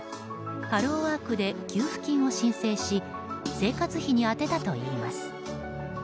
ハローワークで給付金を申請し生活費に充てたといいます。